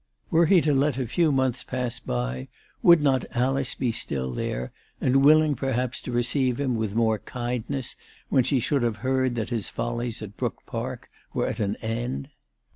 Were he to let a few months pass by would not Alice be still there, and willing perhaps to receive him with more kindness when she should have heard that his follies at Brook Park were at an end